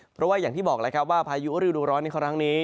เพราะว่าอย่างที่บอกว่าพายุอริดุร้อนในครั้งนี้